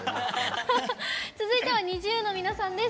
続いてはＮｉｚｉＵの皆さんです。